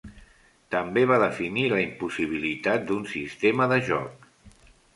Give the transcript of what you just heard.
També va definir la impossibilitat d'un sistema de joc.